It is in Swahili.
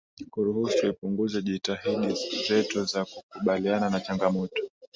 kuruhusu ipunguze jitihada zetu za kukabiliana na changamoto